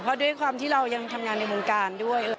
เพราะด้วยความที่เรายังทำงานในวงการด้วย